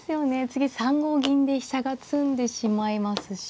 次３五銀で飛車が詰んでしまいますし。